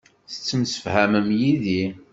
Tettemsefhamem yid-i.